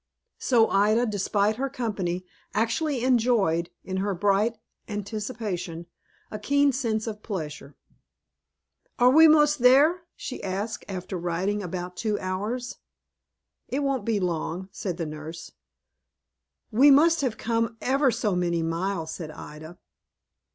So Ida, despite her company, actually enjoyed, in her bright anticipation, a keen sense of pleasure. "Are we most there?" she asked, after riding about two hours. "It won't be long," said the nurse. "We must have come ever so many miles," said Ida.